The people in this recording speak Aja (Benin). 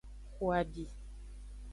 Xo abi.